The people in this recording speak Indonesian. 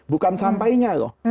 bukan sampainya loh